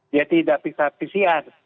dia tidak tersisa pcr